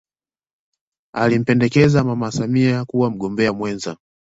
alimpendekeza mama samia kuwa mgombea mwenza